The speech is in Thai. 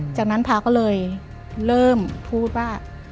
จากนั้นพระก็เลยเริ่มพูดว่า